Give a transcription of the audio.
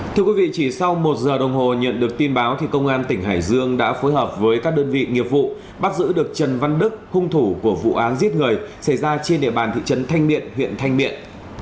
thưa quý vị chỉ sau một giờ đồng hồ nhận được tin báo công an tỉnh hải dương đã phối hợp với các đơn vị nghiệp vụ bắt giữ được trần văn đức hung thủ của vụ án giết người xảy ra trên địa bàn thị trấn thanh miện huyện thanh miện